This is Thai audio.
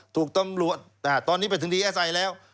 ถูกตำรวจตอนนี้ไปถึงดีเอสไอแล้ว